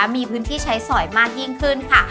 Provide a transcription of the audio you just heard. มีพื้นที่ใช้สอยมากยิ่งขึ้นค่ะ